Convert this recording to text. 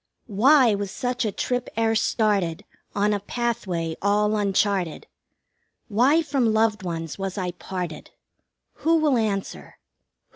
2 Why was such a trip e'er started On a pathway all uncharted? Why from loved ones was I parted? Who will answer?